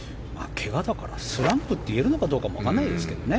けがだからスランプと言えるのかどうかも分かんないですけどね。